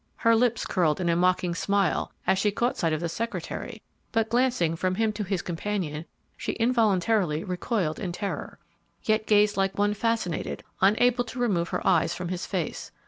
Her lips curled in a mocking smile as she caught sight of the secretary, but glancing from him to his companion, she involuntarily recoiled in terror, yet gazed like one fascinated, unable to remove her eyes from his face.